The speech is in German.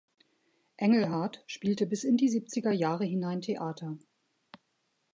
Engelhardt spielte bis in die siebziger Jahre hinein Theater.